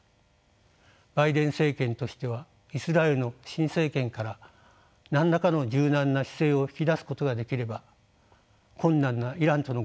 バイデン政権としてはイスラエルの新政権から何らかの柔軟な姿勢を引き出すことができれば困難なイランとの交渉で余計な重荷を背負う必要はなくなります。